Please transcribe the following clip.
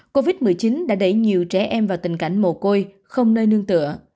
covid một mươi chín đã đẩy nhiều trẻ em vào tình cảnh mồ côi không nơi nương tựa